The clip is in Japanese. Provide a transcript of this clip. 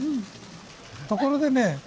ところでね